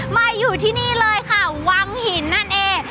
มาอยู่ที่นี่เลยค่ะวังหินนั่นเอง